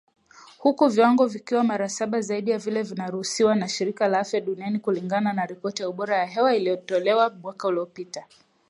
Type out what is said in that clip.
Huku viwango vikiwa mara saba zaidi ya vile vinavyoruhusiwa na shirika la afya duniani, kulingana na ripoti ya ubora wa hewa iliyotolewa mwaka uliopita